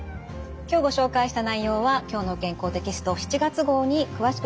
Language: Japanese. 今日ご紹介した内容は「きょうの健康」テキスト７月号に詳しく掲載されています。